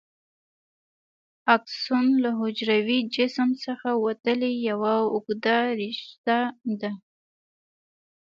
اکسون له حجروي جسم څخه وتلې یوه اوږده رشته ده.